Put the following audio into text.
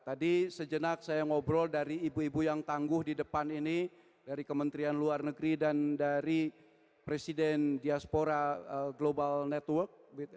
tadi sejenak saya ngobrol dari ibu ibu yang tangguh di depan ini dari kementerian luar negeri dan dari presiden diaspora global network